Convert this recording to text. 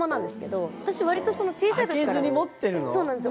そうなんです